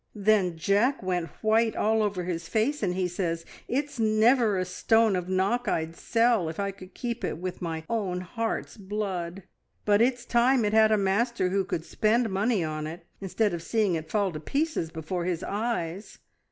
Then Jack went white all over his face, and he says, `It's never a stone of Knock I'd sell if I could keep it with my own heart's blood, but it's time it had a master who could spend money on it instead of seeing it fall to pieces before his eyes.'